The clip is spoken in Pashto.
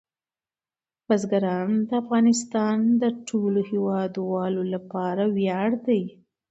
بزګان د افغانستان د ټولو هیوادوالو لپاره ویاړ دی.